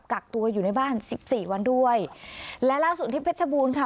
กักตัวอยู่ในบ้านสิบสี่วันด้วยและล่าสุดที่เพชรบูรณ์ค่ะ